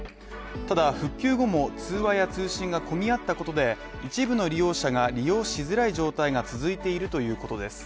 ただ復旧後も通話や通信が混み合ったことで一部の利用者が利用しづらい状態が続いているということです。